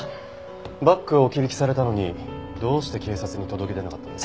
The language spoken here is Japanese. バッグを置き引きされたのにどうして警察に届け出なかったんです？